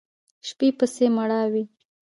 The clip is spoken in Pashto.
شي پسې مړاوی